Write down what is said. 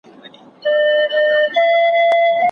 محصن زاني باید خپله سزا وویني.